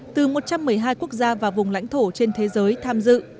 từ một trăm một mươi hai quốc gia và vùng lãnh thổ trên thế giới tham dự